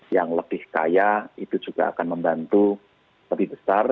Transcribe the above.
yang lebih kaya itu juga akan membantu lebih besar